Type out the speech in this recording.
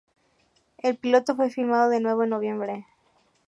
El piloto fue filmado de nuevo en noviembre.